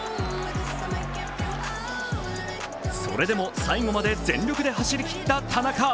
それも最後まで全力で走り切った田中。